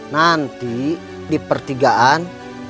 nanti di pertigaan